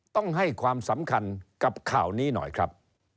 ต้องให้ความสำคัญกับข่าวนี้หน่อยครับ